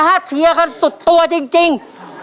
ถ้าเชียร์กันสุดตัวจริง